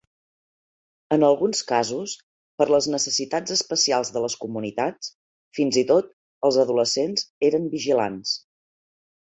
En alguns casos, per les necessitats especials de les comunitats, fins i tot els adolescents eren vigilants.